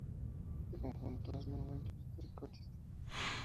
Este conjunto es Monumento Histórico Artístico.